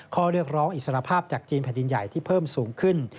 ข้อเรียกร้องอิสรภาพจากจีนแผ่นดินใหญ่ที่เพิ่มสูงขึ้น